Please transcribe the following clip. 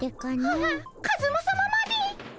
ああカズマさままで。